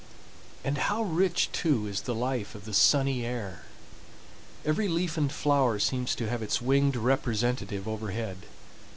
And how rich, too, is the life of the sunny air! Every leaf and flower seems to have its winged representative overhead.